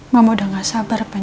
mama udah gak sabar